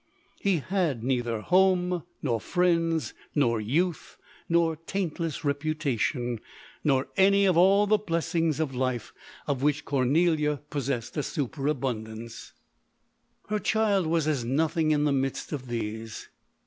He had nei ther home, nor friends, nor youth, nor taintless reputation ; nor any of all the blessings of life, of which Cornelia possessed a superabundance. LODORE. 17 ") Her child was as nothing in the midst of these.